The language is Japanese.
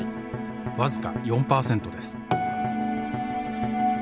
僅か４％です。